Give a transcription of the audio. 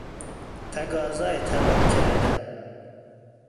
تقاضای طلاق کردن